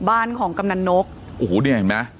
บ้านของกำหนังนกนี่ไหม